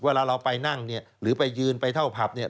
เวลาเราไปนั่งเนี่ยหรือไปยืนไปเท่าผับเนี่ย